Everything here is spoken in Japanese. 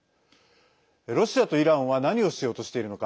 ロシアとイランは何をしようとしているのか。